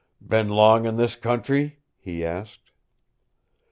"Been long in this country?" he asked.